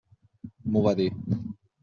M'ho va dir.